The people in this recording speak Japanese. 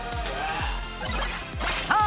さあ